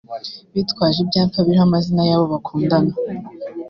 bitwaje ibyapa biriho amazina y’abo bakunda